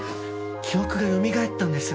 記憶がよみがえったんです